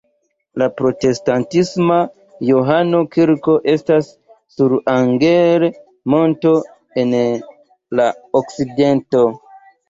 La protestantisma Johano-kirko estas sur Anger-monto en la okcidento.